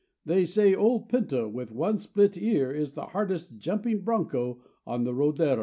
They say old Pinto with one split ear Is the hardest jumping broncho on the rodero.